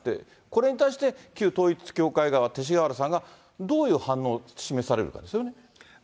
これに対して、旧統一教会側、勅使河原さんがどういう反応を示されるかですよね。